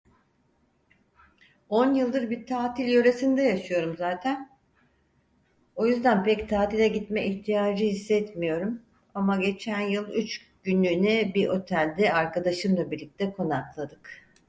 On yıldır bir tatil yöresinde yaşıyorum zaten, o yüzden pek tatile gitme ihtiyacı hissetmiyorum. Ama geçen yıl üç günlüğüne bir otelde arkadaşımla birlikte konakladık.